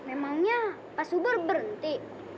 emangnya pak subur berhenti